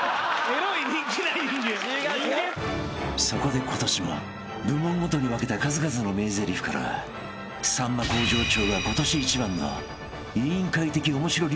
［そこで今年も部門ごとに分けた数々の名ぜりふからさんま向上長が今年一番の］